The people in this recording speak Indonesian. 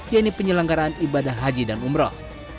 yaitu penyelenggaraan ibadah haji dan umroh